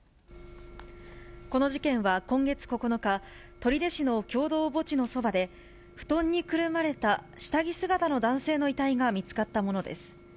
この事件は今月９日、取手市の共同墓地のそばで、布団にくるまれた下着姿の男性の遺体が見つかったものです。